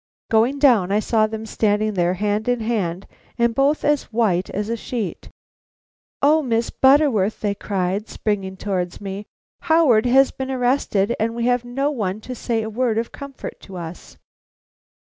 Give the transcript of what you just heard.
Going down, I saw them standing there hand in hand and both as white as a sheet. "O Miss Butterworth!" they cried, springing towards me, "Howard has been arrested, and we have no one to say a word of comfort to us."